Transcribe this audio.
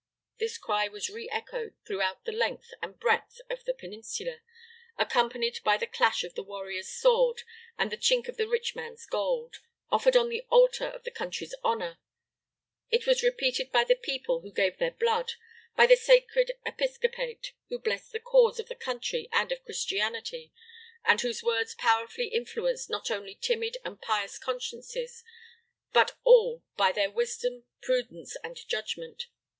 This cry was re echoed throughout the length and breadth of he Peninsula, accompanied by the clash of the warrior's sword and the chink of the rich man's gold, offered on the altar of the country's honor; it was repeated by the people, who gave their blood; by the sacred episcopate, who blessed the cause of the country and of Christianity, and whose words powerfully influenced not only timid and pious consciences, but all by their wisdom, prudence, and judgment.